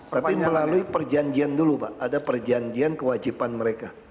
tapi melalui perjanjian dulu pak ada perjanjian kewajiban mereka